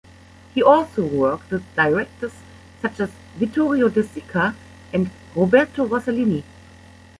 He also worked with directors such as Vittorio De Sica and Roberto Rossellini.